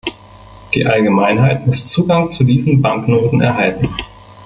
Die Allgemeineinheit muss Zugang zu diesen Banknoten erhalten.